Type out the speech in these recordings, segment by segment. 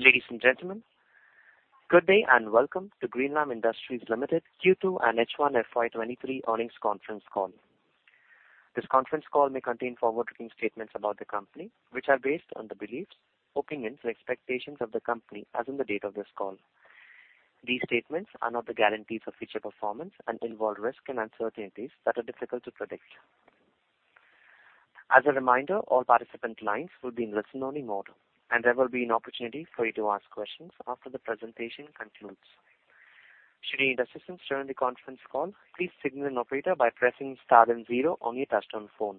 Ladies and gentlemen, good day and welcome to Greenlam Industries Limited Q2 and H1 FY 2023 earnings conference call. This conference call may contain forward-looking statements about the company, which are based on the beliefs, opinions, and expectations of the company as on the date of this call. These statements are not the guarantees of future performance and involve risks and uncertainties that are difficult to predict. As a reminder, all participant lines will be in listen-only mode, and there will be an opportunity for you to ask questions after the presentation concludes. Should you need assistance during the conference call, please signal an operator by pressing star then zero on your touchtone phone.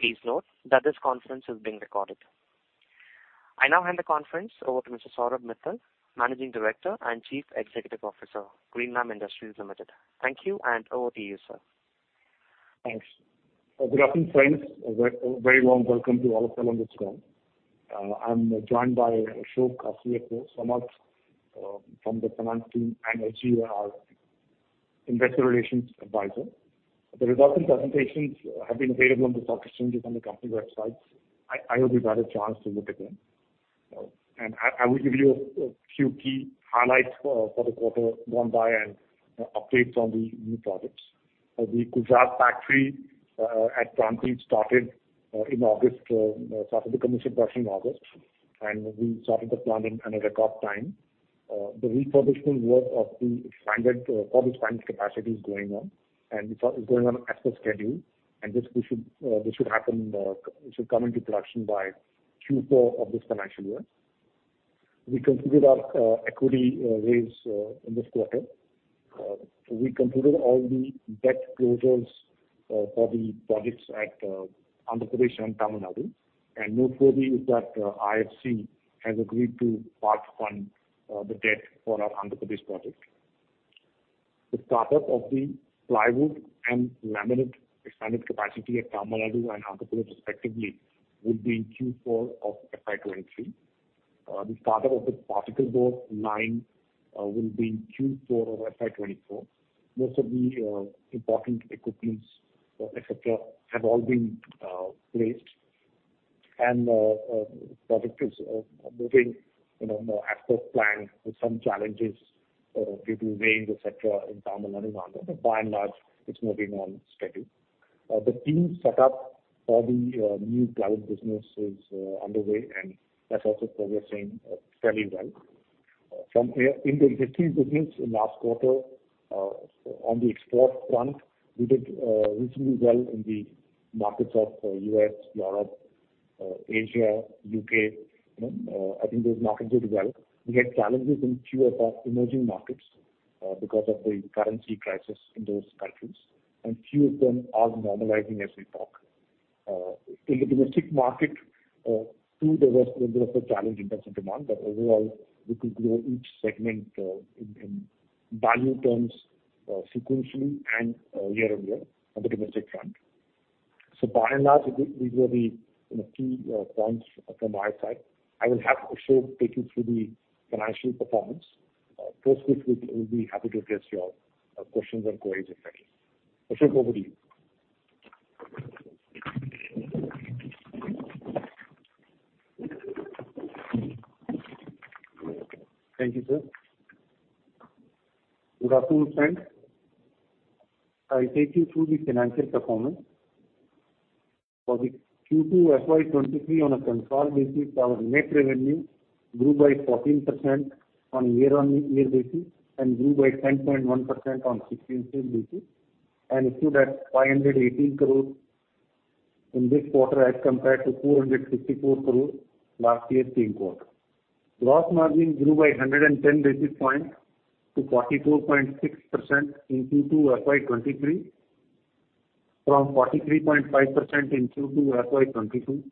Please note that this conference is being recorded. I now hand the conference over to Mr. Saurabh Mittal, Managing Director and Chief Executive Officer, Greenlam Industries Limited. Thank you, and over to you, sir. Thanks. Good afternoon, friends. A very warm welcome to all of you on this call. I'm joined by Ashok, our CFO, Samarth from the finance team, and AJ, our investor relations advisor. The results and presentations have been available on the stock exchanges on the company websites. I hope you got a chance to look again. I will give you a few key highlights for the quarter gone by and updates on the new projects. The Gujarat factory at Prantij started the commissioning work in August, and we started the plant in a record time. The refurbishing work for the expanded capacity is going on, and it's going on as per schedule. This should happen, it should come into production by Q4 of this financial year. We completed our equity raise in this quarter. We completed all the debt closures for the projects at Andhra Pradesh and Tamil Nadu. Noteworthy is that IFC has agreed to part-fund the debt for our Andhra Pradesh project. The start-up of the plywood and laminate expanded capacity at Tamil Nadu and Andhra Pradesh respectively will be in Q4 of FY 2023. The start-up of the particle board line will be in Q4 of FY 2024. Most of the important equipment, et cetera, have all been placed. Project is moving, you know, as per plan with some challenges due to rains, et cetera, in Tamil Nadu and Andhra. By and large, it's moving on schedule. The team set up for the new plywood business is underway, and that's also progressing fairly well. From here in the existing business in last quarter, on the export front, we did reasonably well in the markets of U.S., Europe, Asia, U.K. You know, I think those markets did well. We had challenges in few of our emerging markets because of the currency crisis in those countries, and few of them are normalizing as we talk. In the domestic market too, there was little bit of a challenge in terms of demand, but overall, we could grow each segment in value terms sequentially and year-on-year on the domestic front. By and large, these were the you know key points from my side. I will have Ashok take you through the financial performance. Post which we'll be happy to address your questions and queries if any. Ashok, over to you. Thank you, sir. Good afternoon, friends. I'll take you through the financial performance. For the Q2 FY 2023 on a consolidated, our net revenue grew by 14% on year-on-year basis and grew by 10.1% on sequential basis and stood at 518 crore in this quarter as compared to 464 crore last year's same quarter. Gross margin grew by 110 basis points to 44.6% in Q2 FY 2023 from 43.5% in Q2 FY 2022.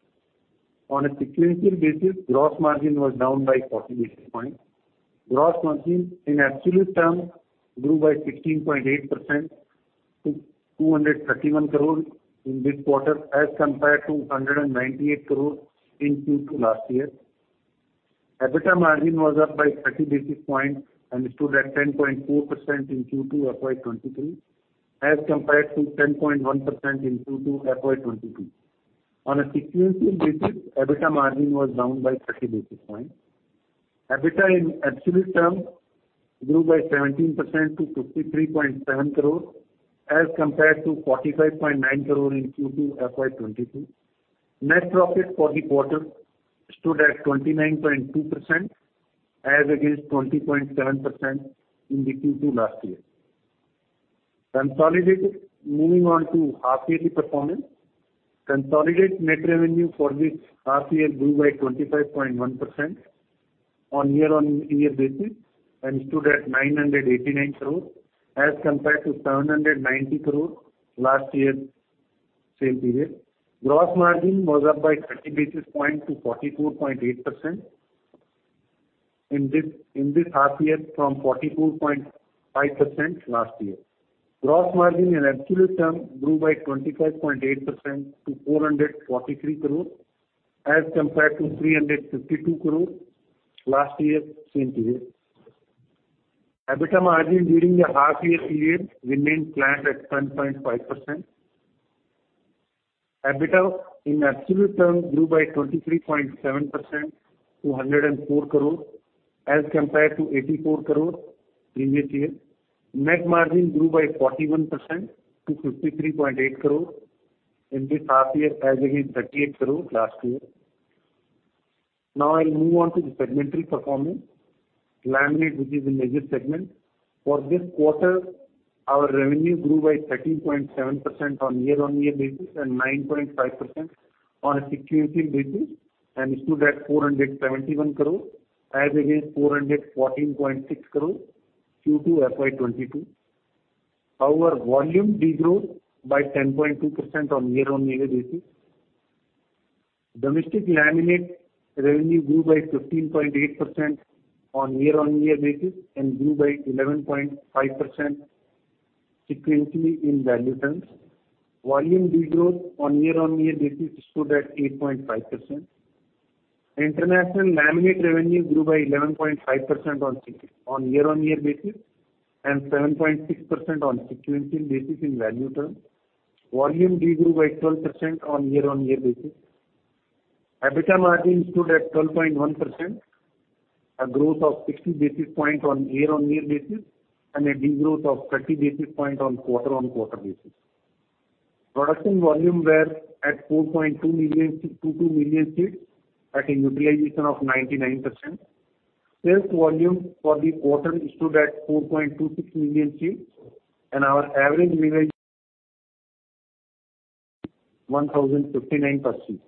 On a sequential basis, gross margin was down by 40 basis points. Gross margin in absolute terms grew by 16.8% to 231 crore in this quarter as compared to 198 crore in Q2 last year. EBITDA margin was up by 30 basis points and stood at 10.4% in Q2 FY 2023 as compared to 10.1% in Q2 FY 2022. On a sequential basis, EBITDA margin was down by 30 basis points. EBITDA in absolute terms grew by 17% to 53.7 crores as compared to 45.9 crores in Q2 FY 2022. Net profit for the quarter stood at 29.2% as against 20.7% in the Q2 last year. Consolidated. Moving on to half-yearly performance. Consolidated net revenue for this half year grew by 25.1% on year-on-year basis and stood at 989 crores as compared to 790 crores last year's same period. Gross margin was up by 30 basis points to 44.8% in this half year from 44.5% last year. Gross margin in absolute terms grew by 25.8% to 443 crore as compared to 352 crore last year's same period. EBITDA margin during the half year period remained flat at 10.5%. EBITDA in absolute terms grew by 23.7% to 104 crore as compared to 84 crore previous year. Net margin grew by 41% to 53.8 crore in this half year, as against 38 crore last year. Now I'll move on to the segmental performance. Laminate, which is the major segment. For this quarter, our revenue grew by 13.7% on year-on-year basis and 9.5% on a sequential basis, and stood at 471 crore as against 414.6 crore Q2 FY 2022. Our volume degrew by 10.2% on year-on-year basis. Domestic laminate revenue grew by 15.8% on year-on-year basis and grew by 11.5% sequentially in value terms. Volume degrowth on year-on-year basis stood at 8.5%. International laminate revenue grew by 11.5% on year-on-year basis and 7.6% on sequential basis in value terms. Volume degrew by 12% on year-on-year basis. EBITDA margin stood at 12.1%, a growth of 60 basis points on year-on-year basis, and a degrowth of 30 basis points on quarter-on-quarter basis. Production volume were at 4.2 million, 22 million sheets at a utilization of 99%. Sales volume for the quarter stood at 4.26 million sheets and our average realization 1,059 per sheet.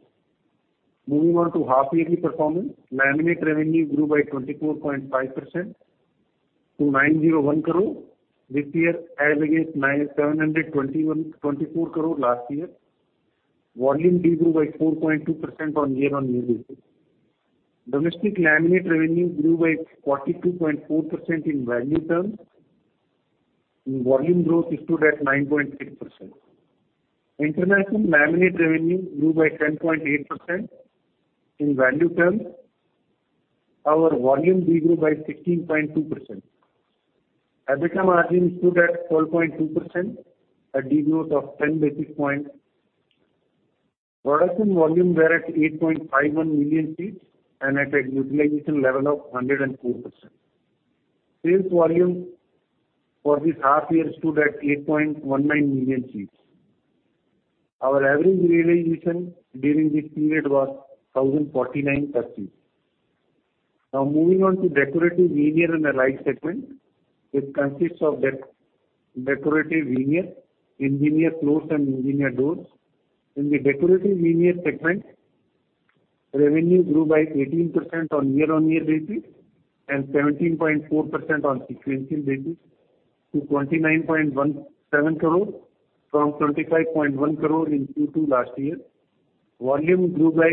Moving on to half yearly performance. Laminate revenue grew by 24.5% to 901 crore this year as against 724 crore last year. Volume degrew by 4.2% on year-on-year basis. Domestic laminate revenue grew by 42.4% in value terms, and volume growth stood at 9.6%. International laminate revenue grew by 10.8% in value terms. Our volume degrew by 16.2%. EBITDA margin stood at 12.2%, a degrowth of 10 basis points. Production volume were at 8.51 million sheets and at a utilization level of 104%. Sales volume for this half year stood at 8.19 million sheets. Our average realization during this period was 1,049 per sheet. Now moving on to decorative veneer and allied segment, which consists of decorative veneer, engineered floors, and engineered doors. In the decorative veneer segment, revenue grew by 18% on year-on-year basis and 17.4% on sequential basis to 29.17 crore from 25.1 crore in Q2 last year. Volume grew by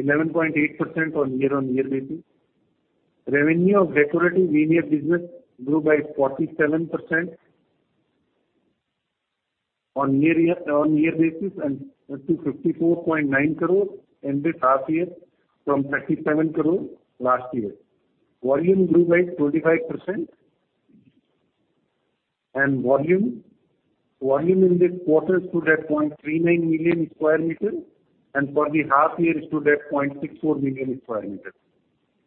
11.8% on year-on-year basis. Revenue of decorative veneer business grew by 47% on year-on-year basis and to 54.9 crore in this half year from 37 crore last year. Volume grew by 25%. Volume in this quarter stood at 0.39 million square meters, and for the half year stood at 0.64 million square meters.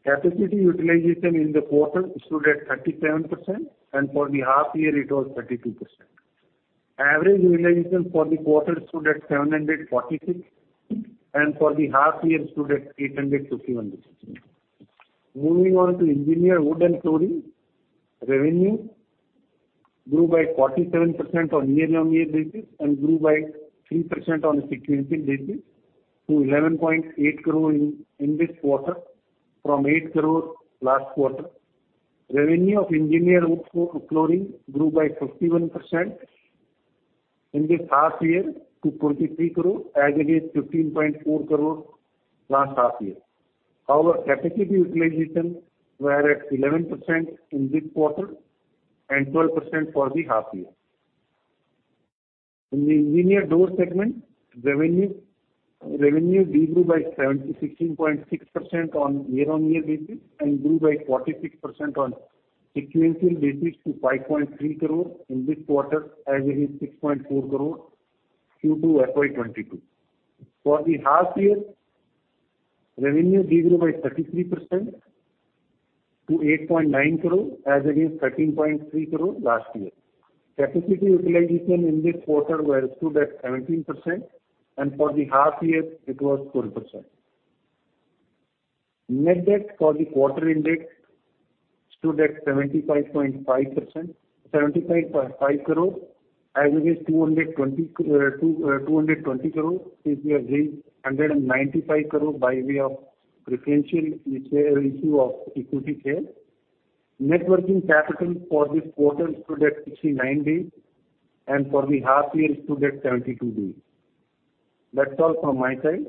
Capacity utilization in the quarter stood at 37%, and for the half year it was 32%. Average realization for the quarter stood at 746, and for the half year stood at 851 rupees. Moving on to engineered wood and flooring. Revenue grew by 47% on year-on-year basis and grew by 3% on a sequential basis to 11.8 crore in this quarter from 8 crore last quarter. Revenue of engineered wood flooring grew by 51% in this half year to 23 crore as against 15.4 crore last half year. Our capacity utilization were at 11% in this quarter and 12% for the half year. In the engineered doors segment, revenue degrew by 17.6% on year-on-year basis and grew by 46% on sequential basis to 5.3 crore in this quarter as against 6.4 crore Q2 FY 2022. For the half year, revenue degrew by 33% to 8.9 crore as against 13.3 crore last year. Capacity utilization in this quarter stood at 17%, and for the half year it was 4%. Net debt for the quarter ended stood at 75.5 crore as against 220 crore since we have raised 195 crore by way of preferential share issue of equity share. Net working capital for this quarter stood at 69 days, and for the half year stood at 72 days. That's all from my side.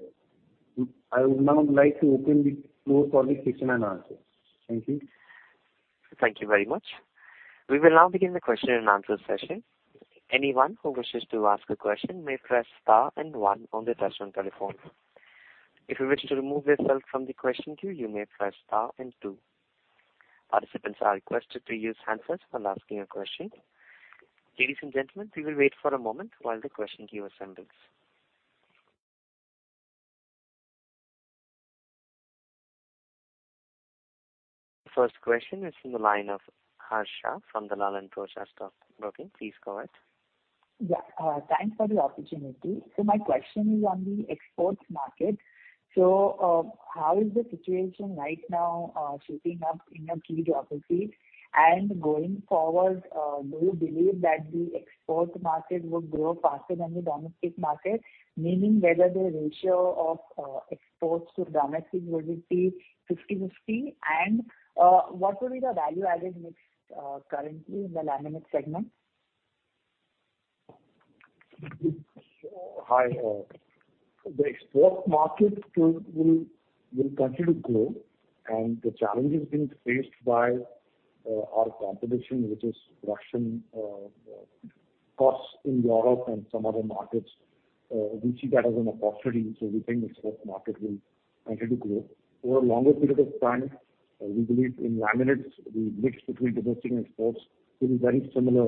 I would now like to open the floor for the question and answer. Thank you. Thank you very much. We will now begin the question and answer session. Anyone who wishes to ask a question may press star and one on their touchtone telephone. If you wish to remove yourself from the question queue, you may press star and two. Participants are requested to use handsets while asking a question. Ladies and gentlemen, we will wait for a moment while the question queue assembles. First question is from the line of Harsh Shah from Dalal and Broacha Stock Broking. Please go ahead. Yeah. Thanks for the opportunity. My question is on the export market. How is the situation right now shaping up in your key geographies? Going forward, do you believe that the export market will grow faster than the domestic market? Meaning whether the ratio of exports to domestic will it be 50/50? What will be the value-added mix currently in the laminate segment? Hi, the export market will continue to grow and the challenges being faced by our competition, which is production costs in Europe and some other markets, we see that as an opportunity, so we think export market will continue to grow. Over a longer period of time, we believe in laminates, the mix between domestic and exports will be very similar,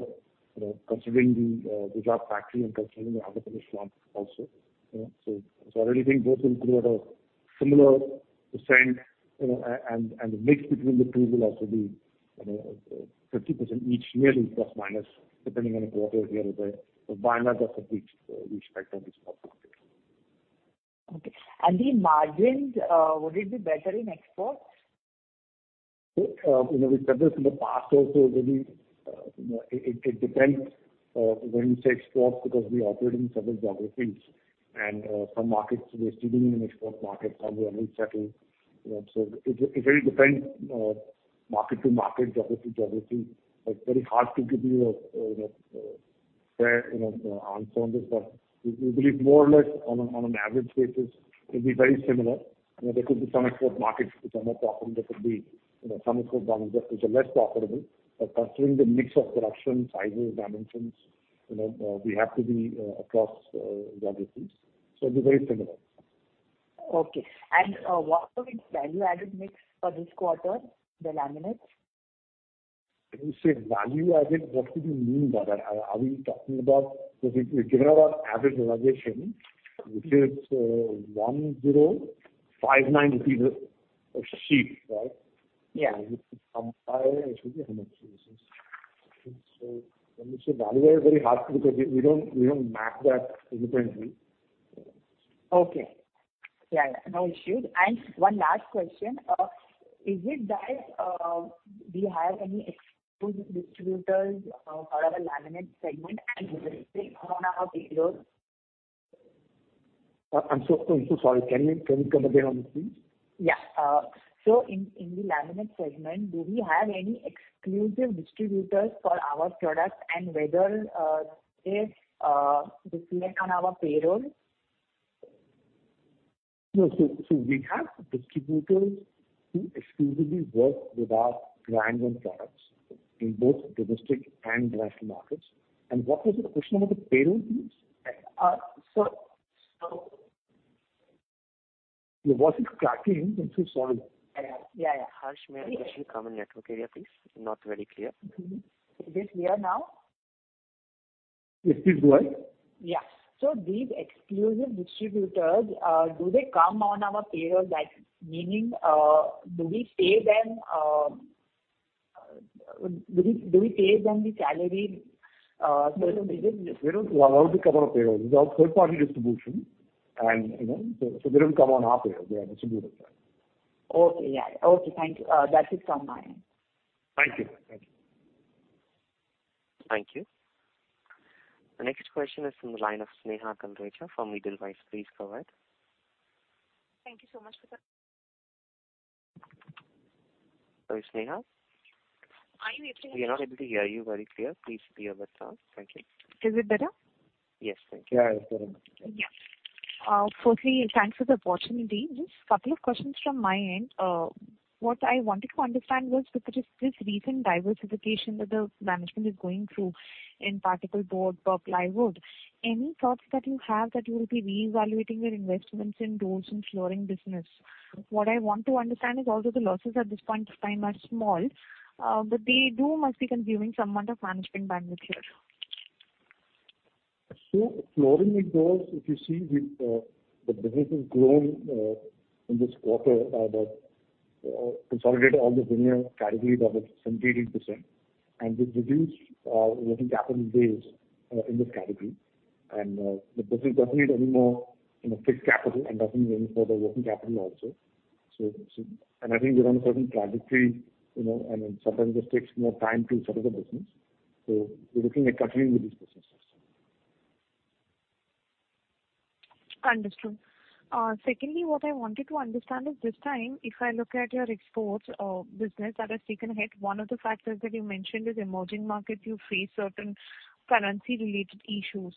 you know, considering the Gujarat factory and considering the other new plant also. You know, so I already think both will grow at a similar percent, you know, and the mix between the two will also be, you know, 50% each, nearly plus minus, depending on the quarter here or there. By and large that's how we expect on this front. Okay. The margins, would it be better in exports? You know, we've said this in the past also, that we, you know, it depends when you say exports, because we operate in several geographies and some markets we are still building an export market, some we are well-settled. You know, so it very depends market to market, geography to geography. It's very hard to give you a you know a fair you know answer on this. We believe more or less on an average basis it'll be very similar. You know, there could be some export markets which are more profitable, there could be you know some export markets which are less profitable. Considering the mix of production, sizes, dimensions, you know we have to be across geographies, so it'll be very similar. Okay. What will be the value-added mix for this quarter, the laminates? When you say value added, what do you mean by that? Because we've given our average realization, which is 1059 feet of sheet, right? Yeah. If you compare it should be how much it is. When you say value added, very hard to because we don't map that independently. Okay. Yeah, no issues. One last question. Is it that do you have any exclusive distributors for our laminate segment and will it take on our payrolls? I'm so sorry. Can you come again, please? Yeah. In the laminate segment, do we have any exclusive distributors for our products and whether they reflect on our payroll? No. We have distributors who exclusively work with our brand and products in both domestic and international markets. What was the question about the payroll, please? Uh, so. Your voice is cracking. I'm so sorry. Yeah, yeah. Harsh, may I request you to come on network area, please? Not very clear. Mm-hmm. Is it clear now? It is well. Yeah. These exclusive distributors, do they come on our payroll? That meaning, do we pay them the salary, so that we get. They don't come on our payroll. These are third-party distributors, and you know, so they don't come on our payroll. They are distributors. Okay. Yeah. Okay. Thank you. That's it from my end. Thank you. Thank you. Thank you. The next question is from the line of Sneha Talreja from Edelweiss. Please go ahead. Thank you so much for the. Sorry, Sneha. Are you able to hear me? We are not able to hear you very clear. Please clear that sound. Thank you. Is it better? Yes. Thank you. Yeah, it's better. Yeah. Firstly, thanks for the opportunity. Just couple of questions from my end. What I wanted to understand was with this recent diversification that the management is going through in particle board or plywood, any thoughts that you have that you will be reevaluating your investments in doors and flooring business? What I want to understand is, although the losses at this point in time are small, but they do must be consuming some amount of management bandwidth here. Flooring and doors, if you see the business has grown in this quarter, the consolidated all the veneer categories are at 17%-18%. We've reduced working capital days in this category. The business doesn't need any more, you know, fixed capital and doesn't need any further working capital also. I think we're on a certain trajectory, you know, and sometimes it takes more time to settle the business. We're looking at continuing with these businesses. Understood. Secondly, what I wanted to understand is this time, if I look at your exports business that has taken a hit, one of the factors that you mentioned is emerging markets, you face certain currency related issues.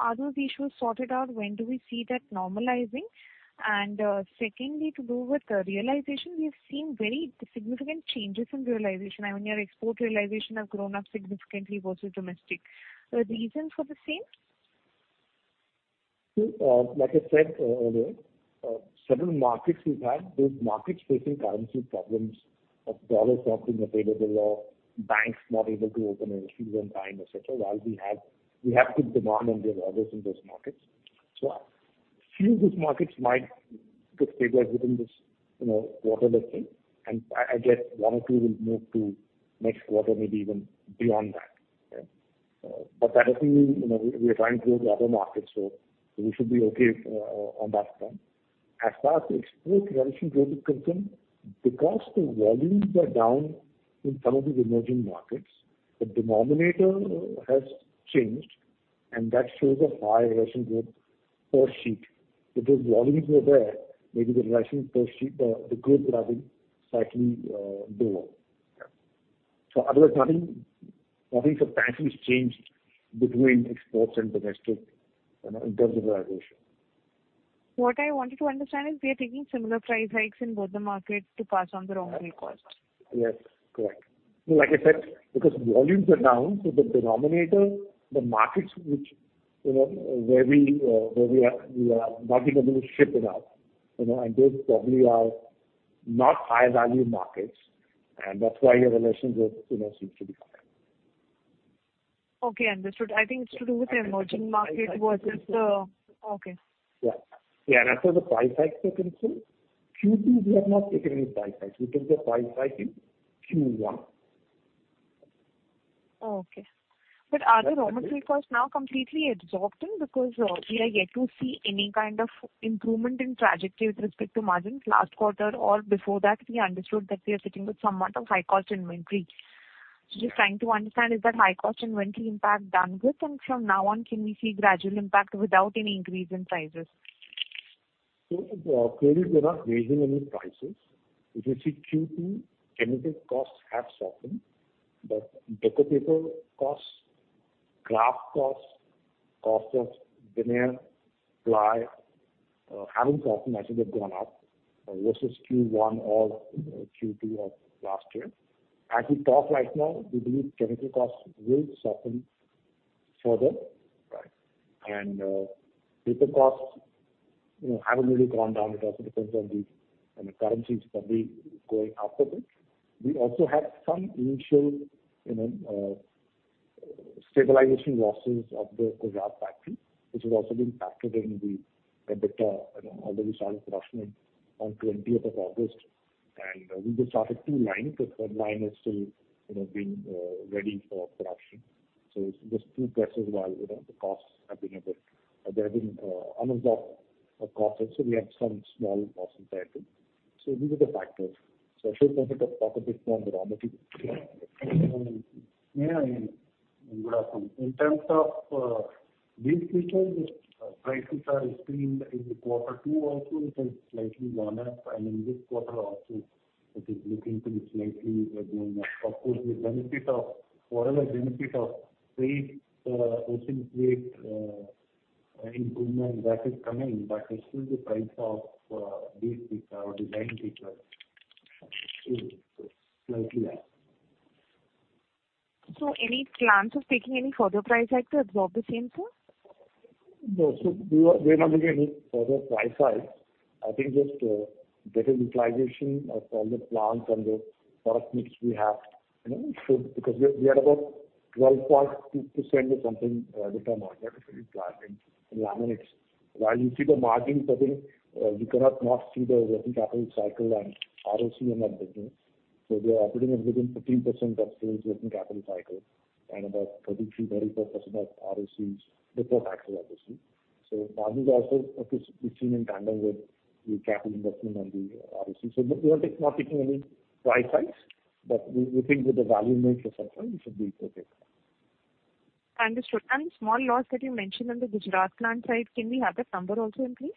Are those issues sorted out? When do we see that normalizing? Secondly, to do with the realization, we have seen very significant changes in realization. I mean, your export realization have grown up significantly versus domestic. Reasons for the same? Like I said earlier, several markets we've had, those markets facing currency problems of dollars not being available or banks not able to open letters of credit on time, et cetera, while we have good demand and give orders in those markets. A few of those markets might get stabilized within this, you know, quarter that's in. I guess one or two will move to next quarter, maybe even beyond that. That doesn't mean, you know, we are trying to build the other markets, so we should be okay on that front. As far as export revenue growth is concerned, because the volumes are down in some of these emerging markets, the denominator has changed, and that shows a high revenue growth per sheet. If those volumes were there, maybe the revenue per sheet, the growth would have been slightly lower. Yeah. Otherwise nothing substantially has changed between exports and domestic, you know, in terms of the valuation. What I wanted to understand is we are taking similar price hikes in both the markets to pass on the raw material costs. Yes, correct. Like I said, because volumes are down, so the denominator, the markets which, you know, where we are not able to ship it out, you know, and those probably are not high-value markets, and that's why your revenue growth, you know, seems to be higher. Okay, understood. I think it's to do with the emerging market. Okay. Yeah. Yeah, as for the price hikes are concerned, Q2 we have not taken any price hikes. We took a price hike in Q1. Okay. Are the raw material costs now completely absorbed in because we are yet to see any kind of improvement in trajectory with respect to margins. Last quarter or before that, we understood that we are sitting with somewhat of high-cost inventory. Just trying to understand is that high-cost inventory impact done with, and from now on, can we see gradual impact without any increase in prices? Clearly we're not raising any prices. If you see Q2, chemical costs have softened, but paper costs, kraft costs, cost of veneer, ply haven't softened. I think they've gone up versus Q1 or, you know, Q2 of last year. As we talk right now, we believe chemical costs will soften further. Right. Paper costs, you know, haven't really gone down. It also depends on the, you know, currencies probably going up a bit. We also had some initial, you know, stabilization losses of the Gujarat factory, which has also been factored in the EBITDA. You know, although we started production on twentieth of August. We just started two lines. The third line is still, you know, being readied for production. Just two presses while, you know, the costs have been a bit. There have been unabsorbed costs, so we had some small losses there too. These are the factors. A small percent of profit before the raw material. Yeah, I mean, good afternoon. In terms of these freight rates, prices are increased in the quarter two also, which has slightly gone up. In this quarter also, it is looking to be slightly going up. Of course, the benefit of whatever benefit of ocean freight improvement that is coming, but still the price of these paper or design paper still is slightly up. Any plans of taking any further price hike to absorb the same, sir? No. We are not looking any further price hikes. I think just better utilization of all the plants and the product mix we have, you know, should. Because we are about 12.2% or something utilization margin in laminates. While you see the margin suffering, you cannot not see the working capital cycle and ROCE in that business. We are operating at between 15%+ range working capital cycle and about 33%-34% of ROCEs before taxes, obviously. Margins also, of course, move in tandem with the capital investment and the ROCE. We are not taking any price hikes, but we think with the value mix of something, we should be okay. Understood. Small loss that you mentioned on the Gujarat plant side, can we have that number also in, please?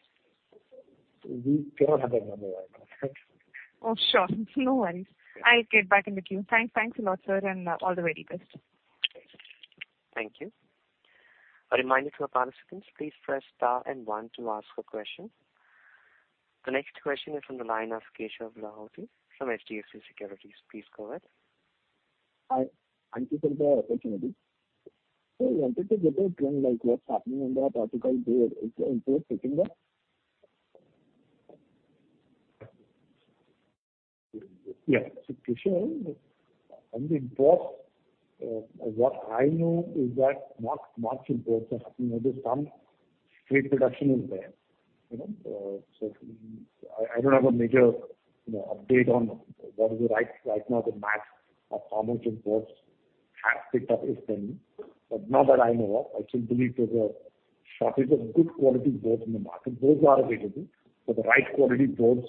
We cannot have a number right now. Oh, sure. No worries. I'll get back in with you. Thanks a lot, sir, and all the very best. Thank you. Thank you. A reminder to our participants, please press star and one to ask a question. The next question is from the line of Keshav Lahoti from HDFC Securities. Please go ahead. Hi. Thank you, sir, for the opportunity. I wanted to get a trend, like what's happening on the particle board. Is the imports picking up? Keshav, on the import, what I know is that not much imports are happening. There's some freight reduction. You know, I don't have a major update on what is the rate right now. The mass of particle boards has picked up. Not that I know of. I still believe there's a shortage of good quality boards in the market. Boards are available. The right quality boards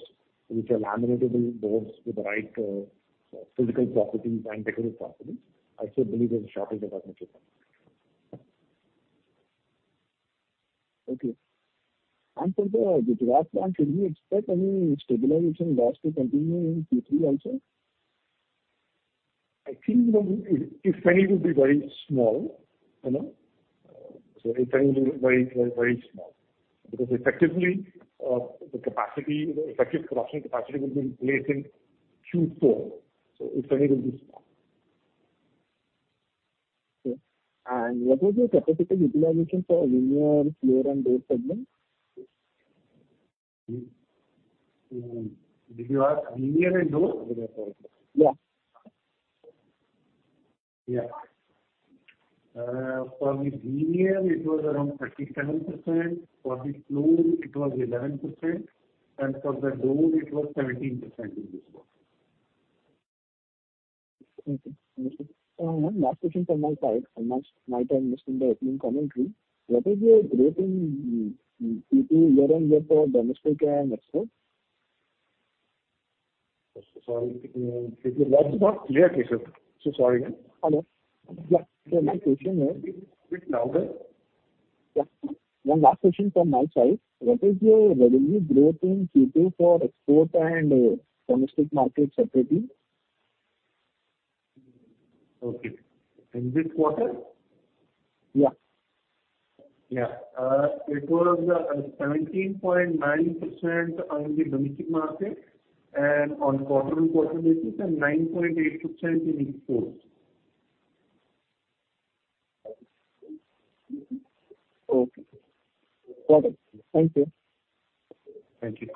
which are laminatable boards with the right physical properties and technical properties, I still believe there's a shortage of that material. Okay. From the Gujarat plant, can we expect any stabilization loss to continue in Q3 also? I think, you know, if any, it will be very small, you know. If any, it will be very small. Because effectively, the capacity, the effective production capacity will be in place in Q4. If any, it will be small. Okay. What was the capacity utilization for veneer, floor and door segment? Did you ask veneer and door? Yeah. For the veneer, it was around 37%. For the floor, it was 11%. For the door, it was 17% in this quarter. Okay. One last question from my side. I might have missed in the opening commentary. What is your growth in Q2 year-over-year for domestic and export? Sorry. Could you please repeat? That's not clear, Keshav. Sorry. Hello. Yeah. My question is- Bit louder. Yeah. One last question from my side. What is your revenue growth in Q2 for export and domestic market separately? Okay. In this quarter? Yeah. Yeah. It was 17.9% on the domestic market and on quarter-over-quarter basis, and 9.8% in export. Okay. Got it. Thank you. Thank you.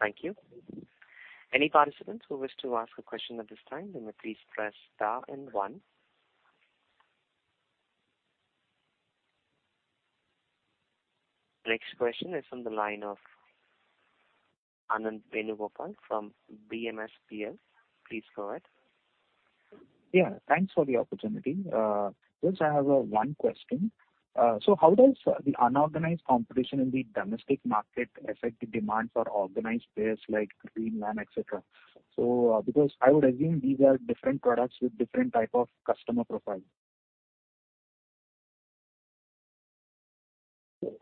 Thank you. Any participants who wish to ask a question at this time, you may please press star and one. Next question is from the line of Anand Venugopal from BMSPL. Please go ahead. Yeah. Thanks for the opportunity. Just I have one question. How does the unorganized competition in the domestic market affect the demand for organized players like Greenlam, et cetera? Because I would assume these are different products with different type of customer profile.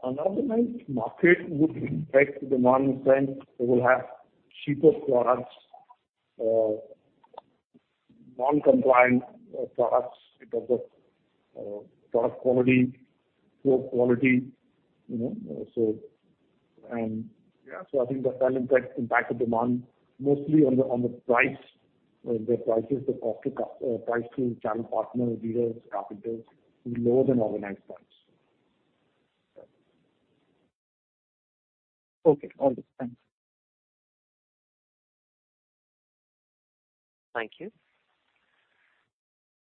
Unorganized market would impact the demand in the sense they will have cheaper products, non-compliant products because of poor product quality, you know. I think that impacts the demand mostly on the price to channel partner, dealers, distributors will be lower than organized price. Yeah. Okay. Got it. Thanks. Thank you.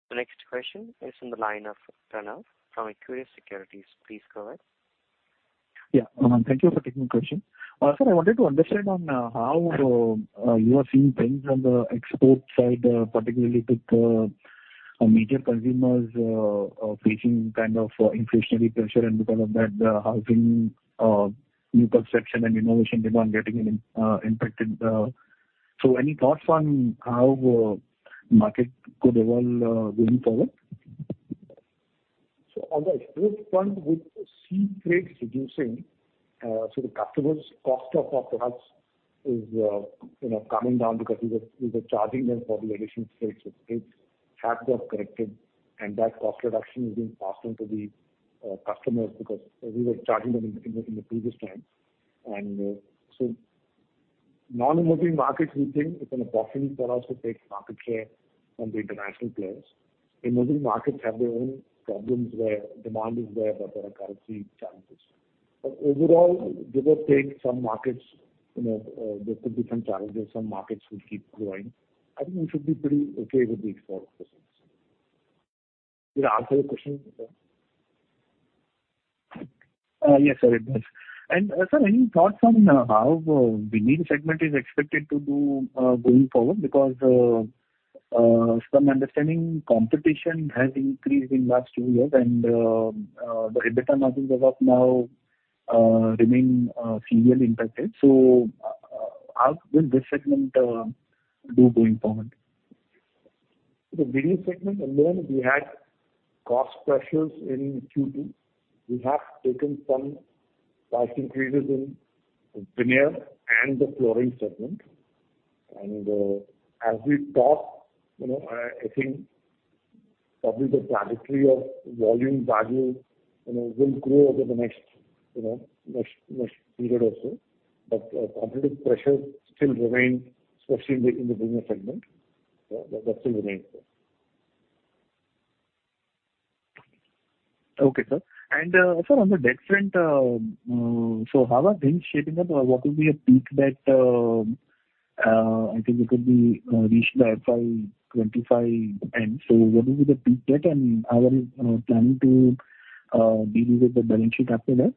The next question is in the line of Pranav from Equirus Securities. Please go ahead. Yeah. Thank you for taking the question. Sir, I wanted to understand how you are seeing things on the export side, particularly with major consumers facing kind of inflationary pressure, and because of that, the housing new construction and renovation demand getting impacted. Any thoughts on how the market could evolve going forward? On the export front, we see freights reducing. The customers' cost of our products is, you know, coming down because we were charging them for the additional freights. Freights have got corrected, and that cost reduction is being passed on to the customers because we were charging them in the previous time. Non-emerging markets, we think it's an opportunity for us to take market share from the international players. Emerging markets have their own problems where demand is there, but there are currency challenges. Overall, they will take some markets, you know, there could be some challenges. Some markets will keep growing. I think we should be pretty okay with the export business. Did I answer your question? Yes, sir. It does. Sir, any thoughts on how veneer segment is expected to do going forward? Because from understanding competition has increased in last two years and the EBITDA margins as of now remain severely impacted. How will this segment do going forward? The veneer segment alone, we had cost pressures in Q2. We have taken some price increases in veneer and the flooring segment. As we talk, you know, I think probably the trajectory of volume value, you know, will grow over the next, you know, next period also. Competitive pressure still remains, especially in the veneer segment. That still remains there. Okay, sir. Sir, on the debt front, how are things shaping up or what will be a peak debt? I think it could be reached by FY 2025 end. What will be the peak debt and how are you planning to delever the balance sheet after that?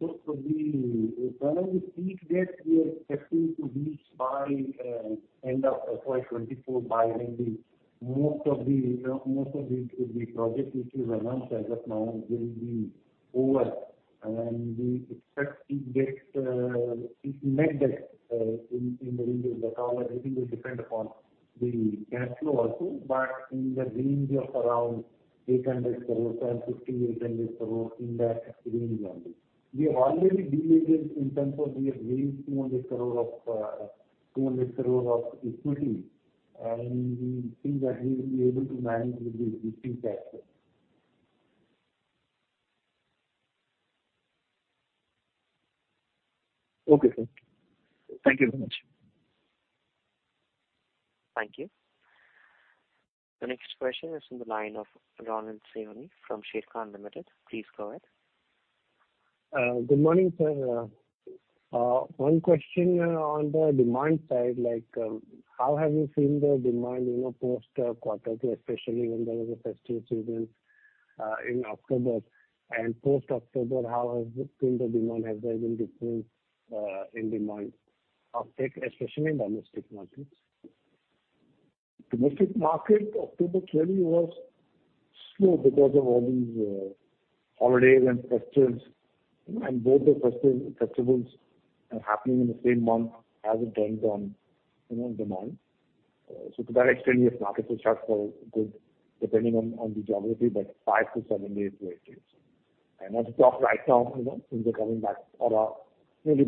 Regarding the peak debt we are expecting to reach by end of FY 2024. By then most of the project which we've announced as of now will be over. We expect peak debt, net debt in the range of around 800 crore to 1,500 crore in that range only. That all I think will depend upon the cash flow also. We have already deleveraged in terms of we have raised 200 crore of equity, and we think that we will be able to manage with the peak debt. Okay, sir. Thank you very much. Thank you. The next question is in the line of Ronald Siyoni from Sharekhan Limited. Please go ahead. Good morning, sir. One question on the demand side, like, how have you seen the demand, you know, post-quarterly, especially when there was a festive season in October? Post-October, how has been the demand? Has there been difference in demand uptake, especially in domestic markets? Domestic market, October-December was slow because of all these holidays and festivals, and both the festivals are happening in the same month as it turns out, you know, demand. To that extent, yes, markets were shut for good, depending on the geography, but five to seven years were. Okay.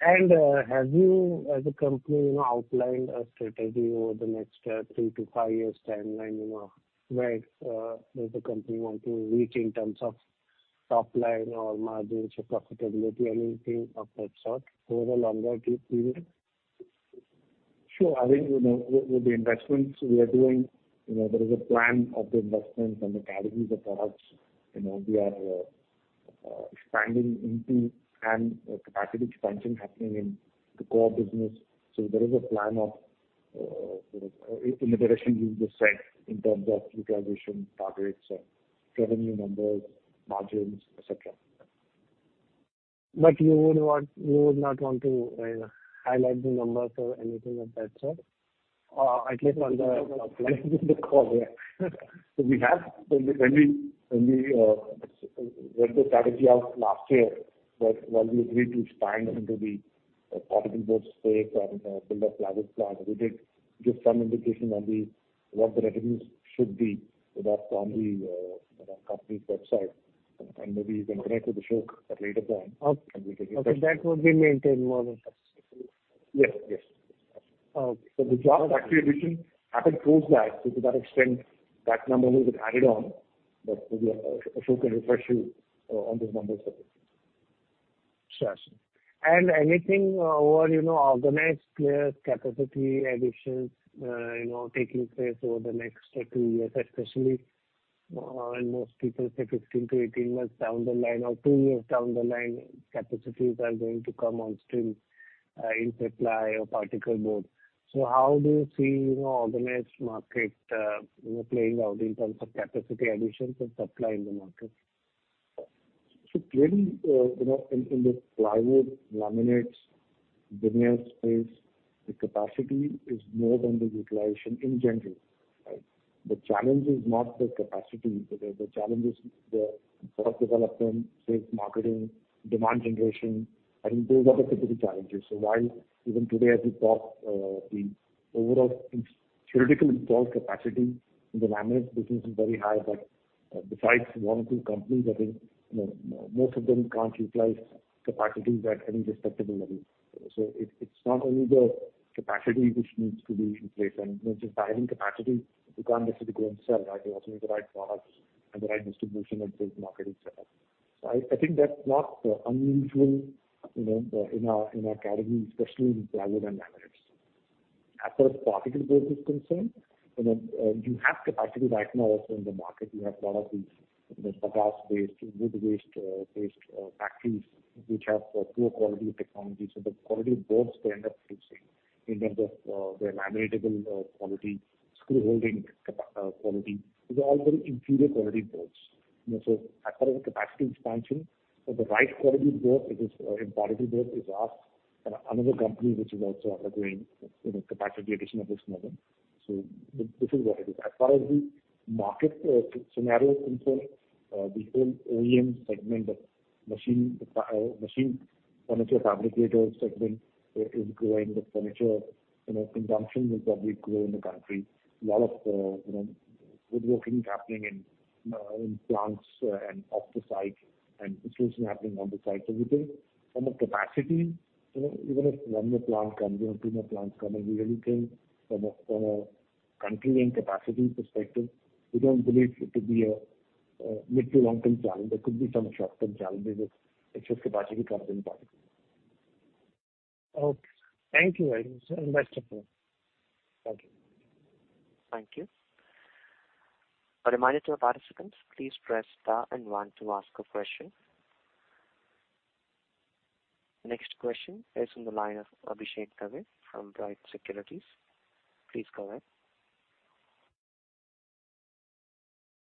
Have you as a company outlined a strategy over the next three to five years timeline, you know, where does the company want to reach in terms of top line or margins or profitability, anything of that sort over a longer period? Sure. I think, you know, with the investments we are doing, you know, there is a plan of the investments and the categories of products, you know, we are expanding into and capacity expansion happening in the core business. There is a plan of, you know, in the direction you just said in terms of utilization targets or revenue numbers, margins, et cetera. You would not want to, you know, highlight the numbers or anything of that sort? At least on the call, yeah. We have, when we worked the strategy out last year, while we agreed to expand into the particle board space and build a plywood plant, we did give some indication on what the revenues should be. That's on the company's website, you know. Maybe you can connect with Ashok at a later time. Okay. We can give you. Okay, that would be maintained more or less. Yes. Yes. Okay. The Gujarat factory addition, I can close that to that extent, that number would added on, but maybe, Ashok can refresh you on those numbers. Sure, sure. Anything over, you know, organized players capacity additions, you know, taking place over the next two years, especially, when most people say 15-18 months down the line or two years down the line, capacities are going to come on stream, in supply of particle board. How do you see, you know, organized market, you know, playing out in terms of capacity additions and supply in the market? Clearly, you know, in the plywood, laminates, veneer space, the capacity is more than the utilization in general, right? The challenge is not the capacity. The challenge is the product development, sales, marketing, demand generation. I think those are the typical challenges. While even today as we talk, the overall theoretical installed capacity in the laminates business is very high, but besides one or two companies, I think, you know, most of them can't utilize capacities at any respectable level. It's not only the capacity which needs to be in place, and you know, just adding capacity, you can't necessarily go and sell, right? You also need the right products and the right distribution and sales marketing setup. I think that's not unusual, you know, in our category, especially in plywood and laminates. As far as particle board is concerned, you have capacity right now also in the market. You have lot of these, bagasse-based, wood waste-based factories which have poor quality technologies. The quality of boards they end up producing in terms of their laminatable quality, screw holding quality. These are all very inferior quality boards. As far as the capacity expansion, the right quality board, it is in particle board is us and another company which is also undergoing capacity addition of this model. This is what it is. As far as the market scenario is concerned, the whole OEM segment of machine furniture fabricators segment is growing. The furniture consumption will probably grow in the country. Lot of, you know, woodworking is happening in plants and off the site and installation happening on the site. We think from a capacity, you know, even if one more plant comes in or two more plants come in, we really think from a country and capacity perspective, we don't believe it could be a mid- to long-term challenge. There could be some short-term challenges if just capacity comes in particle board. Okay. Thank you very much. Best of luck. Thank you. Thank you. A reminder to our participants, please press star and one to ask a question. Next question is from the line of Abhishek Dave from Bright Securities. Please go ahead.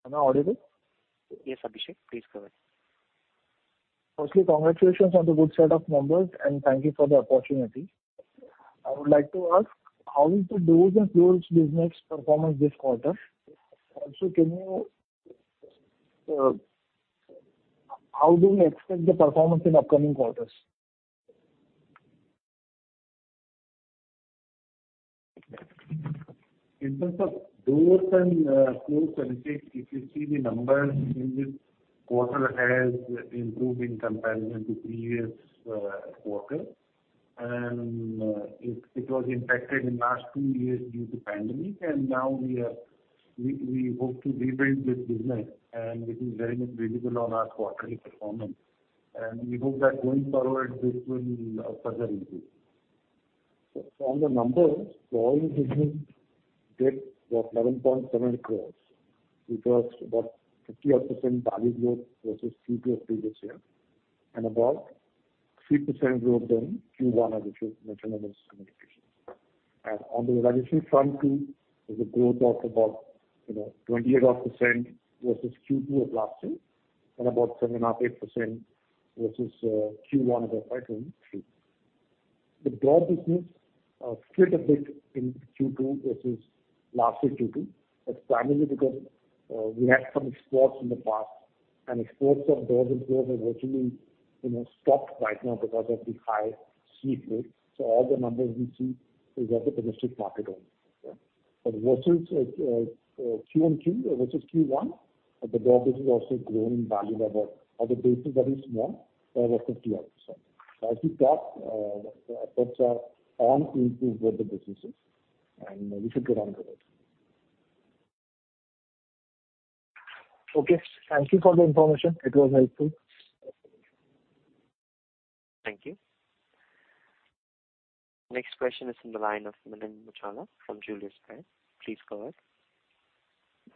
Am I audible? Yes, Abhishek, please go ahead. Firstly, congratulations on the good set of numbers, and thank you for the opportunity. I would like to ask, how is the doors and floors business performance this quarter? Also, can you, how do you expect the performance in upcoming quarters? In terms of doors and floors, Abhishek, if you see the numbers in this quarter has improved in comparison to previous quarter. It was impacted in last two years due to pandemic. Now we hope to rebuild this business and this is very much visible on our quarterly performance. We hope that going forward this will further improve. From the numbers, flooring business did about 11.7 crores. It was about 50 odd percent value growth versus Q2 of previous year, and about 3% growth than Q1 of this year, which I know was communication. On the realization front too, there's a growth of about, you know, 28 odd percent versus Q2 of last year and about 7.5%, 8% versus Q1 of FY 2023. The door business split a bit in Q2 versus last year's Q2. That's primarily because we had some exports in the past, and exports of doors and floors have virtually, you know, stopped right now because of the high sea rates. All the numbers we see is of the domestic market only. Yeah. Versus QoQ versus Q1, the door business also grown in value by about, on the basis that is small, by about 50-odd%. As we talk, the efforts are on to improve both the businesses, and we should get on to it. Okay. Thank you for the information. It was helpful. Thank you. Next question is in the line of Milind Muchhala from Julius Baer. Please go ahead.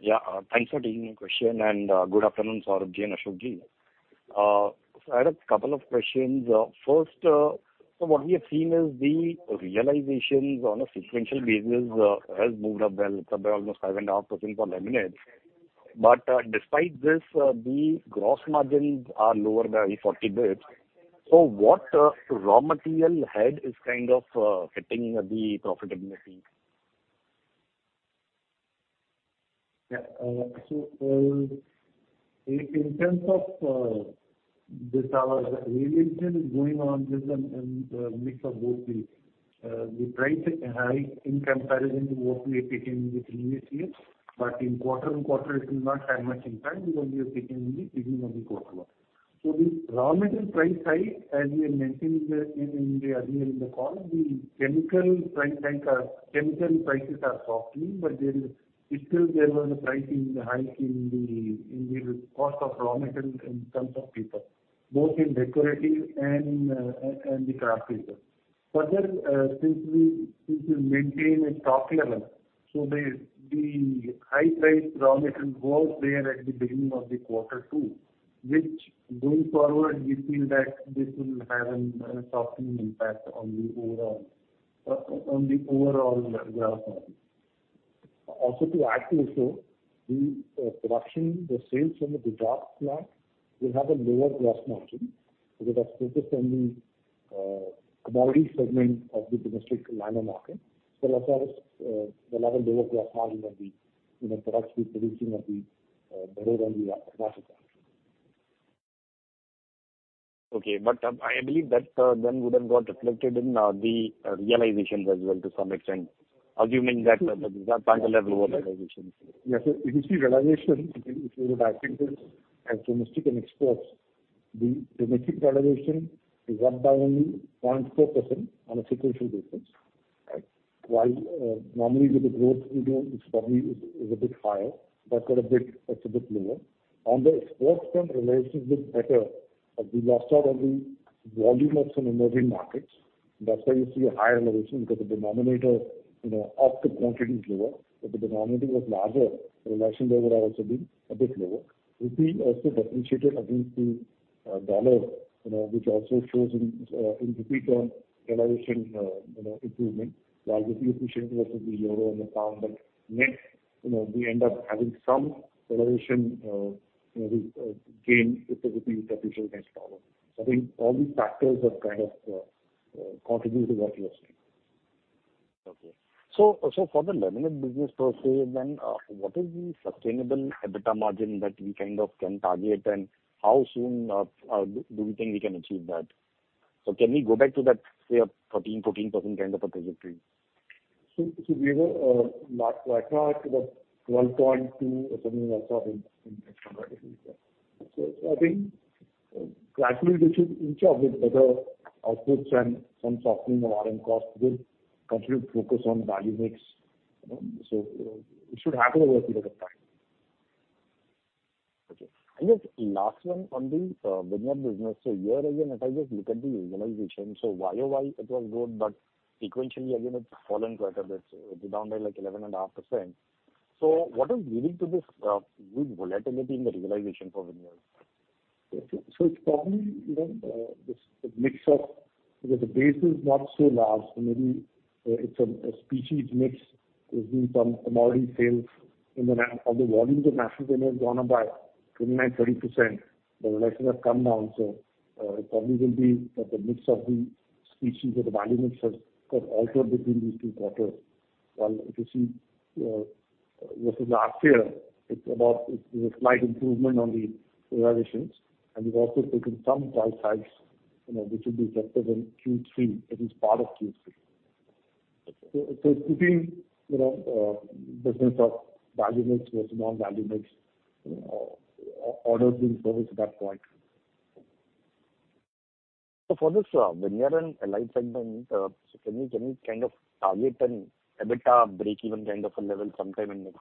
Yeah, thanks for taking my question and good afternoon, Saurabh-ji and Ashok-ji. I had a couple of questions. First, what we have seen is the realizations on a sequential basis has moved up well, it's up by almost 5.5% on laminates. Despite this, the gross margins are lower by 40 basis points. What raw material head is kind of hitting the profitability? Yeah, in terms of this, our realization is going on just on mix of both these. The price is high in comparison to what we had taken in the previous year. In quarter-on-quarter it will not have much impact because we have taken in the beginning of the quarter. The raw material price hike, as we have mentioned earlier in the call, chemical prices are softening, but there was still a pricing hike in the cost of raw material in terms of paper, both in decorative and the kraft paper. Further, since we maintain a stock level, so the high priced raw material was there at the beginning of the quarter too, which going forward we feel that this will have a softening impact on the overall gross margin. Also to add to it though, the production, the sales from the Behror plant will have a lower gross margin because that's focused on the commodity segment of the domestic laminate market. That's why there are lower gross margin on the, you know, products we're producing at the Bhadohi and the Nalagarh factory. I believe that then would have got reflected in the realizations as well to some extent, assuming that the Behror plant will have lower realizations. Yes, sir. If you see realization, if you would isolate it as domestic and exports, the domestic realization is up by only 0.4% on a sequential basis. Right? While, normally with the growth we do, it's probably a bit higher. That's a bit lower. On the export front, realization is bit better. We lost out on the volume of some emerging markets. That's why you see a higher realization because the denominator, you know, absolute quantity is lower. If the denominator was larger, realization there would have also been a bit lower. Rupee also depreciated against the dollar, you know, which also shows in rupee term realization, you know, improvement. While rupee appreciating versus the euro and the pound and yen, you know, we end up having some realization gain if the rupee depreciation has followed. I think all these factors have kind of contributed to what you are seeing. Okay. For the laminate business per se then, what is the sustainable EBITDA margin that we kind of can target? And how soon do we think we can achieve that? Can we go back to that, say a 14% kind of a trajectory? We were last quarter at about 1.2 or something like that in terms of EBITDA. I think gradually we should inch up with better outputs and some softening of RM costs with continued focus on value mix. You know, it should happen over a period of time. Okay. Just last one on the veneer business. Year-on-year again, if I just look at the realization, YOY it was good, but sequentially again it's fallen quite a bit. It's down by like 11.5%. What is leading to this volatility in the realization for veneers? It's probably, you know, because the base is not so large, so maybe it's a species mix. There's been some commodity sales on the volumes of natural veneer has gone up by 29%-30%. The realizations have come down. It probably will be that the mix of the species or the value mix has altered between these two quarters. While if you see versus last year, it's a slight improvement on the realizations. We've also taken some price hikes, you know, which will be reflected in Q3, at least part of Q3. Between, you know, business of value mix versus non-value mix, you know, orders being serviced at that point. For this veneer and allied segment, can you kind of target an EBITDA breakeven kind of a level sometime in next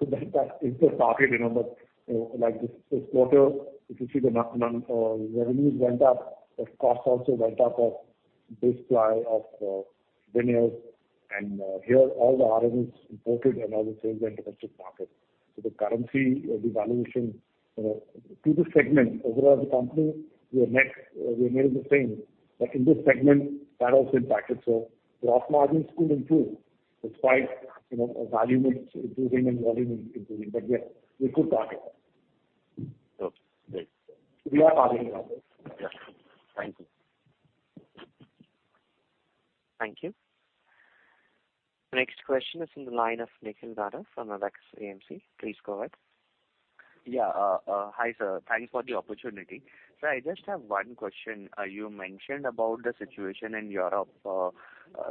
quarter? That is the target, you know, but you know, like this quarter, if you see the numbers, revenues went up, but costs also went up for this plywood and veneers. Here all the raw materials imported and all the sales are domestic market. The currency devaluation, you know, to the segment overall as a company, we are net the same. In this segment, that also impacted, so gross margins could improve despite, you know, value mix improving and volume improving. Yes, we could target. Okay, great. We are targeting that, yes. Thank you. Thank you. Next question is in the line of Nikhil Gada from AMC. Please go ahead. Yeah. Hi, sir. Thanks for the opportunity. Sir, I just have one question. You mentioned about the situation in Europe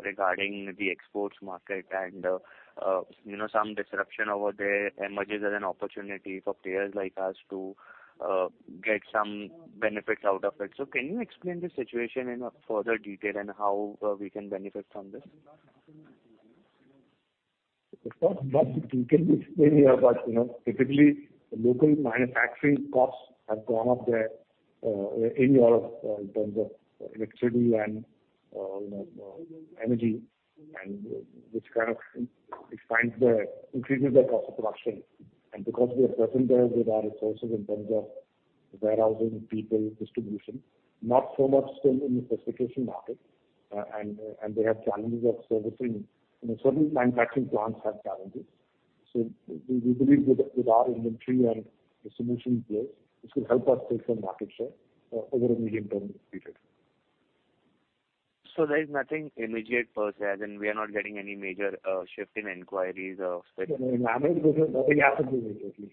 regarding the exports market and you know, some disruption over there emerges as an opportunity for players like us to get some benefits out of it. Can you explain the situation in a further detail and how we can benefit from this? It's not much we can explain here, but you know, typically the local manufacturing costs have gone up there in Europe in terms of electricity and you know, energy and which kind of increases the cost of production. Because we are present there with our resources in terms of warehousing, people, distribution, not so much still in the specification market. They have challenges of servicing. You know, certain manufacturing plants have challenges. We believe with our inventory and distribution players, this could help us take some market share over a medium-term period. There is nothing immediate per se, as in we are not getting any major shift in inquiries or such. No, no. I mean, it doesn't happen immediately.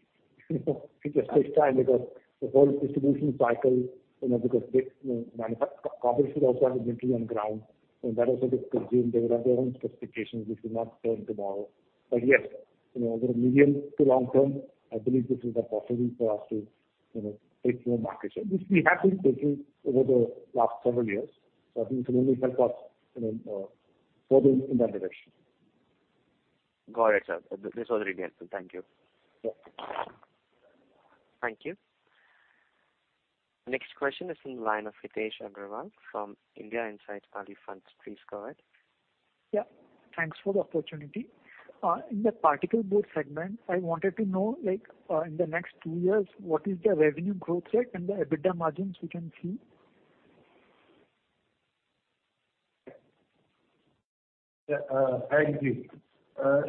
You know, it just takes time because the whole distribution cycle, you know, because they, you know, companies should also have inventory on ground, and that also gets consumed. They will have their own specifications which will not turn tomorrow. Yes, you know, over a medium to long term, I believe this is a possibility for us to, you know, take more market share, which we have been taking over the last several years. I think this will only help us, you know, further in that direction. Got it, sir. This was really helpful. Thank you. Yeah. Thank you. Next question is in the line of Hitesh Agarwal from India Insights Value Funds. Please go ahead. Yeah. Thanks for the opportunity. In the particle board segment, I wanted to know, like, in the next two years, what is the revenue growth rate and the EBITDA margins we can see? Yeah. Thank you.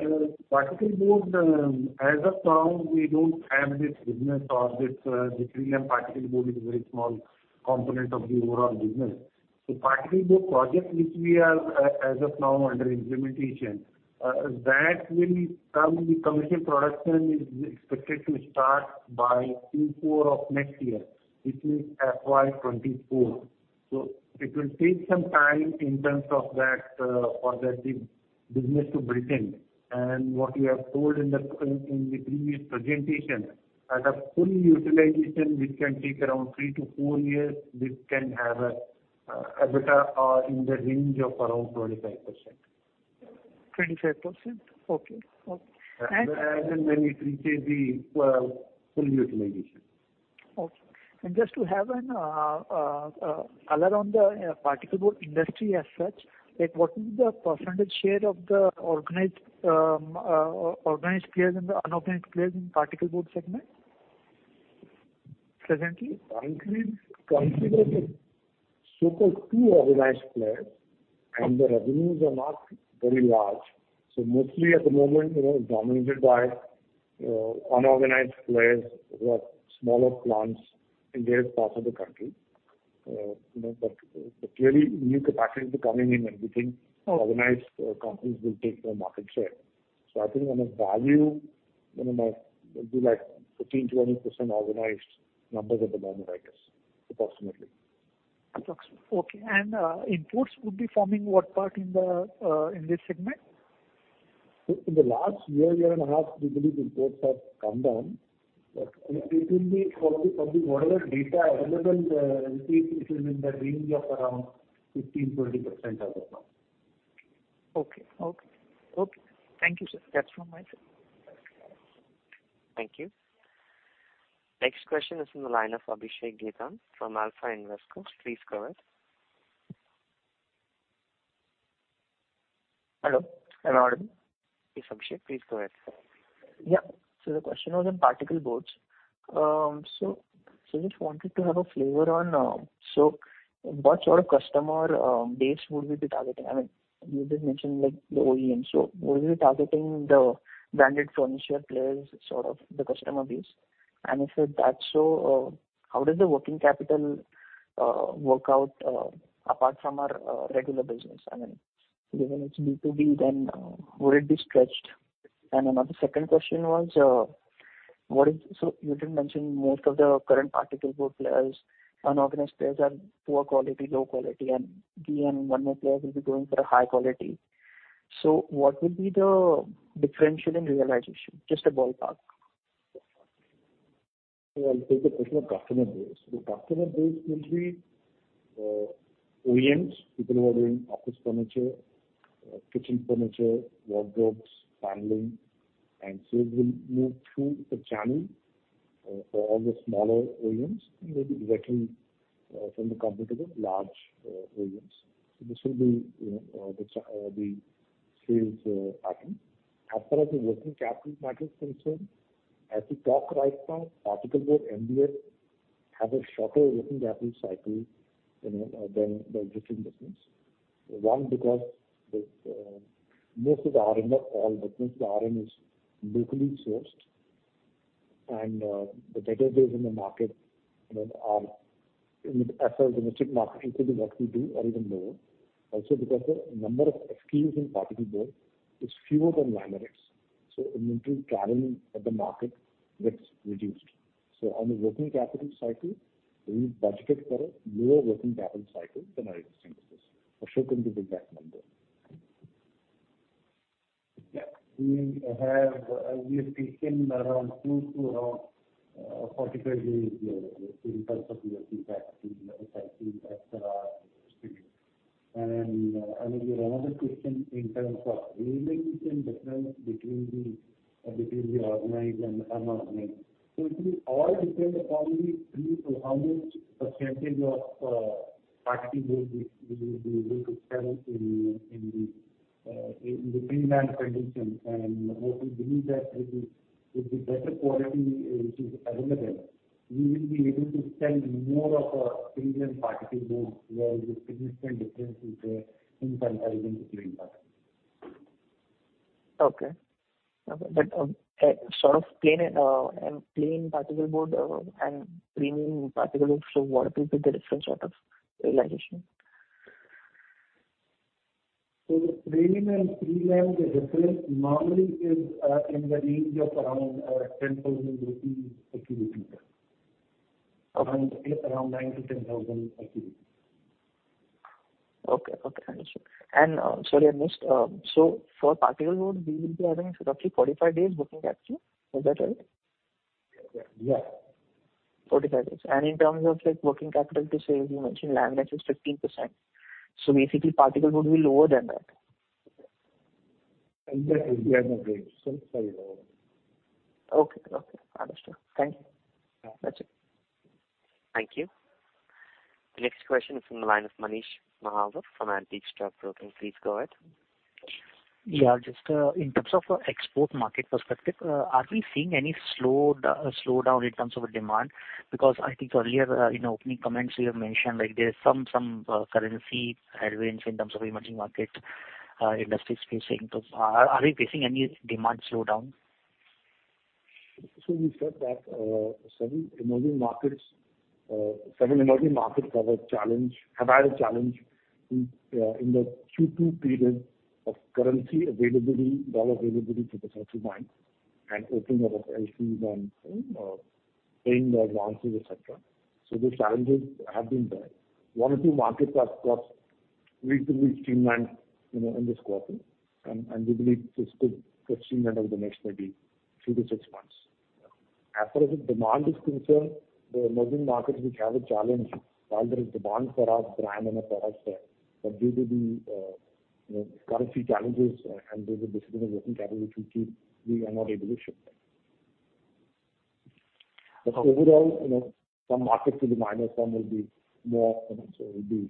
You know, particle board, as of now, we don't have this business or this, the premium particle board is very small component of the overall business. The particle board project which we are, as of now under implementation, that will come, the commercial production is expected to start by Q4 of next year, which means FY 2024. It will take some time in terms of that, for that big business to build in. What we have told in the previous presentation, at a full utilization, which can take around three to four years, which can have a EBITDA in the range of around 25%. 25%? Okay. Yeah. As and when it reaches the full utilization. Okay. Just to have an color on the particle board industry as such, like what is the percentage share of the organized players and the unorganized players in particle board segment presently? Currently, considering so-called two organized players, and the revenues are not very large. Mostly at the moment, you know, dominated by unorganized players who have smaller plants in their part of the country. You know, but clearly new capacity is coming in, and we think. Oh. Organized companies will take more market share. I think on a value, you know, might be like 15%-20% organized numbers at the moment, I guess, approximately. Okay. Imports would be forming what part in this segment? In the last year and a half, we believe imports have come down. It will be probably whatever data available, I think it will be in the range of around 15%-20% as of now. Okay. Thank you, sir. That's from my side. Thank you. Thank you. Next question is in the line of Abhishek Getam from Alpha Invesco. Please go ahead. Hello. Can you hear me? Yes, Abhishek. Please go ahead. Yeah. The question was on particle board. Just wanted to have a flavor on what sort of customer base would we be targeting? I mean, you just mentioned like the OEM. Would we be targeting the branded furniture players sort of the customer base? And if that's so, how does the working capital work out apart from our regular business? I mean, given it's B2B, then would it be stretched? And another second question was, what is so you didn't mention most of the current particle board players, unorganized players are poor quality, low quality, and one more player will be going for a high quality. What will be the differential in realization? Just a ballpark. I'll take the question of customer base. The customer base will be OEMs, people who are doing office furniture, kitchen furniture, wardrobes, paneling, and sales will move through the channel for all the smaller OEMs who may be directly from the comparable large OEMs. This will be, you know, the sales pattern. As far as the working capital pattern is concerned, as we talk right now, particle board MDF has a shorter working capital cycle, you know, than the existing business. One, because with most of the RM, not all, but most of the RM is locally sourced. The debtors are in the domestic market, you know, it will be what we do or even lower. Also because the number of SKUs in particle board is fewer than laminates. Inventory carrying at the market gets reduced. On the working capital cycle, we budget for lower working capital cycle than our existing business. Ashu can give you the exact number. We have taken around close to 45 days here in terms of working capital cycles et cetera. There are another question in terms of premium difference between the organized and unorganized. It will all depend upon the people, how much percentage of particle board we will be able to sell in the premium condition. What we believe that with the better quality which is available, we will be able to sell more of our premium particle board where the significant difference is there in comparison to plain particle. Sort of plain particle board and premium particle board, so what will be the difference out of realization? The premium, the difference normally is in the range of around 10,000 rupees per cubic meter. Okay. Around 9,000-10,000 per cubic meter. Okay, okay. Understood. Sorry, I missed. For particle board, we will be having roughly 45 days working capital. Is that right? Yeah. 45 days. In terms of like working capital to sales, you mentioned laminates is 15%. Basically particle board will be lower than that. Exactly. Yeah, maybe slightly lower. Okay, okay. Understood. Thank you. Yeah. That's it. Thank you. The next question is from the line of Manish Mahawar from Antique Stock Broking. Please go ahead. Yeah, just in terms of export market perspective, are we seeing any slowdown in terms of demand? Because I think earlier in opening comments you have mentioned like there's some currency headwinds in terms of emerging market industries facing. Are we facing any demand slowdowns? We said that several emerging markets have had a challenge in the Q2 period of currency availability, dollar availability to the customer's end and opening of LC and paying the advances, et cetera. The challenges have been there. One or two markets have got reasonably streamlined, you know, in this quarter. We believe this could continue over the next maybe three to six months. As far as the demand is concerned, the emerging markets which have a challenge, while there is demand for our brand and our products there, but due to the currency challenges and due to discipline of working capital which we keep, we are not able to ship there. Okay. Overall, you know, some markets will be minus, some will be more, some also will be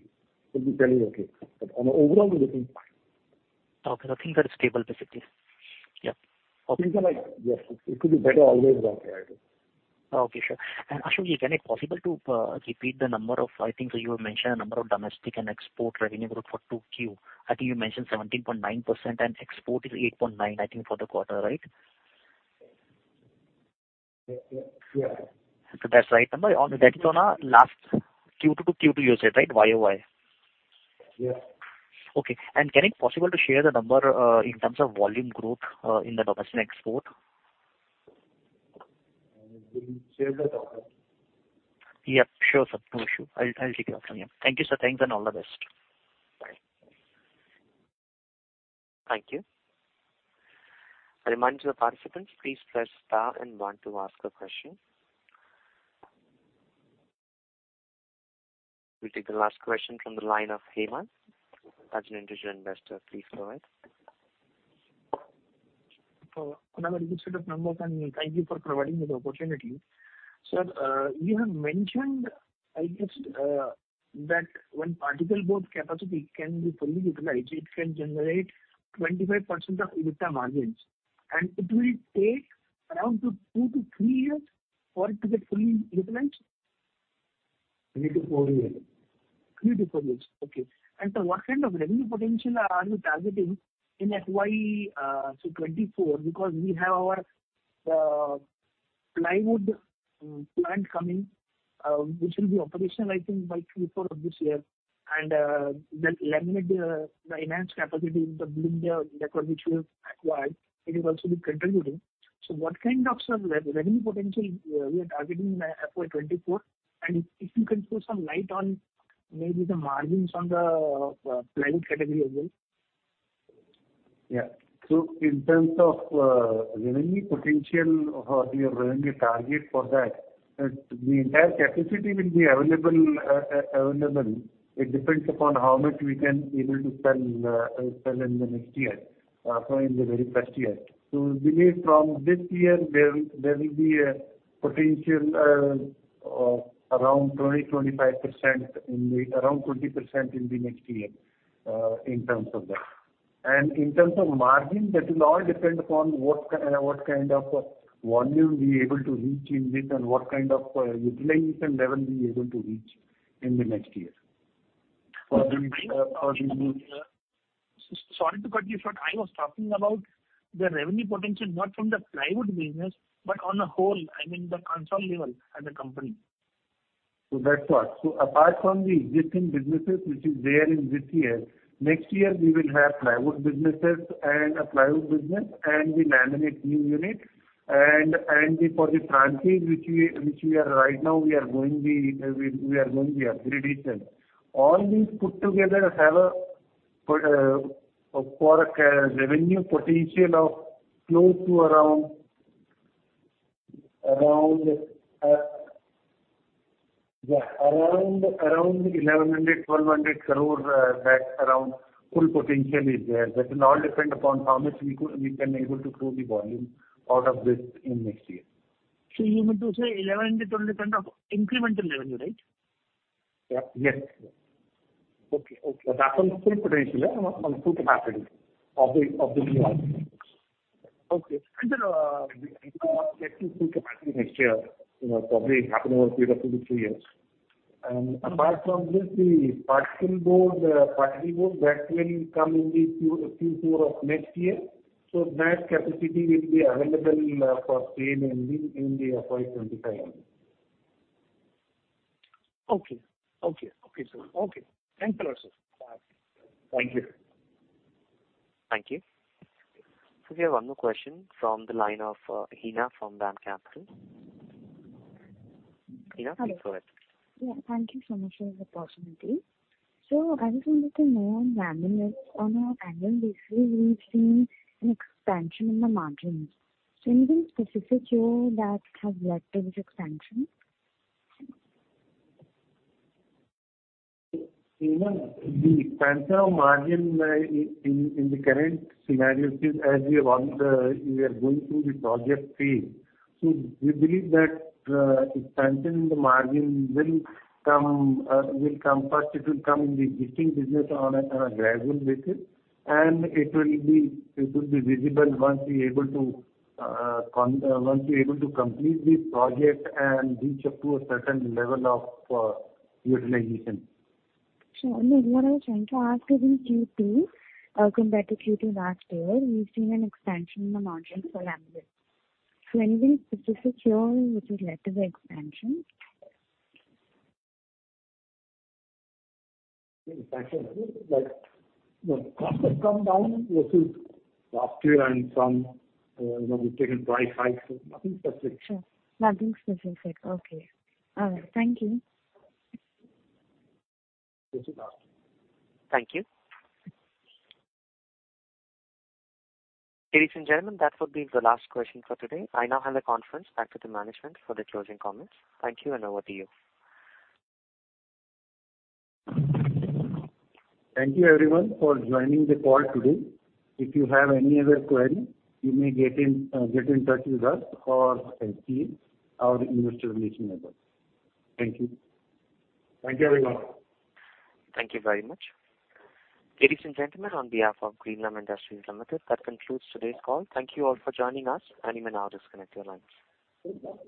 fairly okay. On an overall we are looking fine. Okay. Things are stable basically. Yeah. Okay. Things are like. Yes, it could be better always but yeah. Okay, sure. Ashok, is it possible to repeat the numbers for domestic and export revenue growth for 2Q. I think you mentioned 17.9% and export is 8.9%, I think for the quarter, right? Yeah. That's right number. That is on last Q2 to Q2 year-to-date, right? YOY. Yeah. Okay. Is it possible to share the number in terms of volume growth in the domestic and export? We will share the numbers. Yeah, sure, sir. No issue. I'll take it up from here. Thank you, sir. Thanks, and all the best. Bye. Thank you. A reminder to participants, please press star and one to ask a question. We'll take the last question from the line of Hemant, an individual investor. Please go ahead. Hello. Another good set of numbers, and thank you for providing this opportunity. Sir, you have mentioned, I guess, that when particle board capacity can be fully utilized, it can generate 25% of EBITDA margins, and it will take around two to three years for it to get fully utilized? Three to four years. Three to four years. Okay. What kind of revenue potential are you targeting in FY 2024? Because we have our plywood plant coming, which will be operational, I think by Q4 of this year, and the laminate, the enhanced capacity in the Bulandshahr factory which you have acquired, it will also be contributing. What kind of, sir, revenue potential we are targeting in FY 2024? And if you can throw some light on maybe the margins on the plywood category as well. In terms of revenue potential or the revenue target for that, the entire capacity will be available. It depends upon how much we can able to sell in the next year, in the very first year. We believe from this year there will be a potential around 20% in the next year, in terms of that. In terms of margin, that will all depend upon what kind of volume we able to reach in it and what kind of utilization level we able to reach in the next year. Sorry to cut you short. I was talking about the revenue potential, not from the plywood business, but on the whole, I mean, the consolidated level as a company. That part. Apart from the existing businesses which is there in this year, next year we will have plywood business and the laminate new unit and for the franchise which we are right now going to upgrade it. All these put together have a product revenue potential of close to around 1,100 crore-1,200 crore, that around full potential is there. That will all depend upon how much we can able to grow the volume out of this in next year. You mean to say 1,100-1,200 of incremental revenue, right? Yeah. Yes. Okay. Okay. That's on full potential and on full capacity of the new assets. Okay. We won't be getting full capacity next year. You know, probably it'll happen over a period of two to three years. Apart from this, the particle board that will come in the Q4 of next year, so that capacity will be available for sale only in the FY 2025 only. Okay, sir. Thanks a lot, sir. Bye. Thank you. Thank you. We have one more question from the line of, Hena from Dam Capital. Hena, please go ahead. Hello. Yeah, thank you so much for the opportunity. I just wanted to know on laminates, on an annual basis we've seen an expansion in the margins. Anything specific here that has led to this expansion? Hena, the expansion of margin in the current scenario is as we have. We are going through the project phase. We believe that expansion in the margin will come first. It will come in the existing business on a gradual basis, and it will be visible once we able to complete the project and reach up to a certain level of utilization. Sure. Only what I was trying to ask is in Q2, compared to Q2 last year, we've seen an expansion in the margins for laminates. Anything specific here which has led to the expansion? Expansion, like the cost have come down versus last year and some, you know, we've taken price hikes. Nothing specific. Sure. Nothing specific. Okay. All right. Thank you. Thank you. Thank you. Ladies and gentlemen, that would be the last question for today. I now hand the conference back to the management for the closing comments. Thank you, and over to you. Thank you everyone for joining the call today. If you have any other query, you may get in touch with us or and see our investor relations member. Thank you. Thank you everyone. Thank you very much. Ladies and gentlemen, on behalf of Greenlam Industries Limited, that concludes today's call. Thank you all for joining us. You may now disconnect your lines. Thank you.